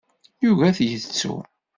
Yugi ad t-yettu.